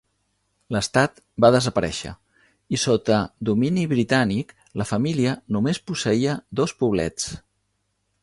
L'estat va desaparèixer i sota domini britànic la família només posseïa dos poblets.